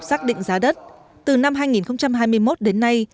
xác định giá đất từ năm hai nghìn hai mươi một đến nay